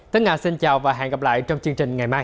tất cả xin chào và hẹn gặp lại trong chương trình ngày mai